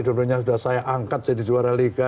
dulunya sudah saya angkat jadi juara liga